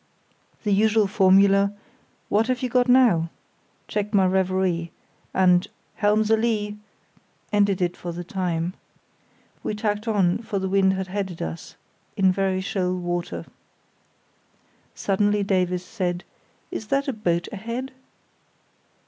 The usual formula, "What have you got now?" checked my reverie, and "Helm's a lee," ended it for the time. We tacked on (for the wind had headed us) in very shoal water. Suddenly Davies said: "Is that a boat ahead?"